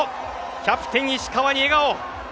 キャプテン石川に笑顔。